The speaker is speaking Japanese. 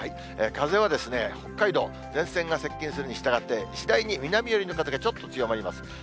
風は北海道、前線が接近するにしたがって、次第に南寄りの風がちょっと強まります。